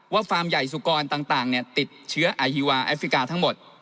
ฟาร์มใหญ่สุกรต่างติดเชื้ออาฮีวาแอฟริกาทั้งหมด